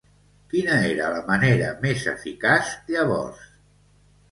Quina era la manera més eficaç llavors?